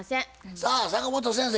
さあ坂本先生